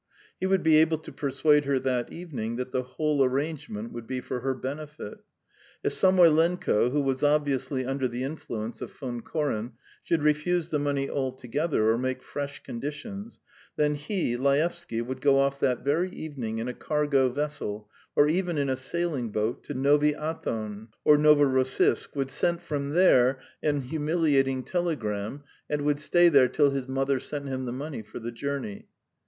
He would be able to persuade her that evening that the whole arrangement would be for her benefit. If Samoylenko, who was obviously under the influence of Von Koren, should refuse the money altogether or make fresh conditions, then he, Laevsky, would go off that very evening in a cargo vessel, or even in a sailing boat, to Novy Athon or Novorossiisk, would send from there an humiliating telegram, and would stay there till his mother sent him the money for the journey.